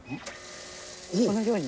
このように。